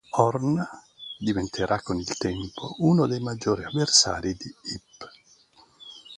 Horn diventerà con il tempo uno dei maggiori avversari di Hip.